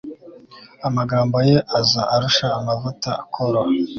amagambo ye aza arusha amavuta koroha